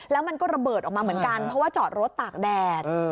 แล้วมันก็ระเบิดออกมาเหมือนกันเพราะว่าจอดรถตากแดด